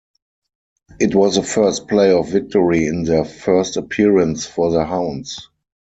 It was the first playoff victory in their first appearance for the Hounds.